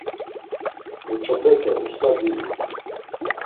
Muç̌opete ust̆a diyu.